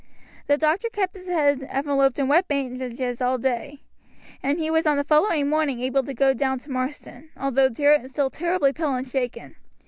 The doctor kept his head enveloped in wet bandages all day, and he was on the following morning able to go down to Marsden, although still terribly pale and shaken.